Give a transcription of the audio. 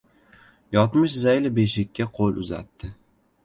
Yotmish zayli beshikka qo‘l uzatdi.